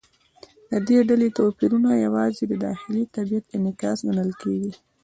د دې ډلې توپیرونه یوازې د داخلي طبیعت انعکاس ګڼل کېږي.